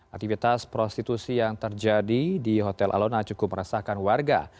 aktivitas prostitusi yang terjadi di hotel alona cukup meresahkan warga